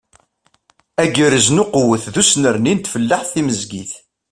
Agerrez n uqewwet d usnerni n tfellaḥt timezgit.